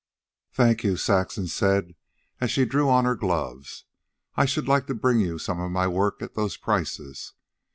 "Thank you," Saxon said, as she drew on her gloves. "I should like to bring you some of my work at those prices."